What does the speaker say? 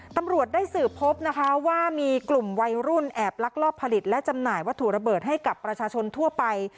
ตำรวจได้สืบพบนะคะว่ามีกลุ่มวัยรุ่นแอบลักลอบผลิตและจำหน่ายวัตถุระเบิดให้กับประชาชนทั่วไป